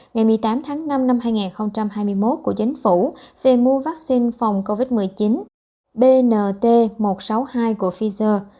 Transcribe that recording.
ngày một mươi tám tháng năm năm hai nghìn hai mươi một của chính phủ về mua vaccine phòng covid một mươi chín bnt một trăm sáu mươi hai của pfizer